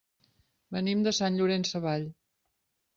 Venim de Sant Llorenç Savall.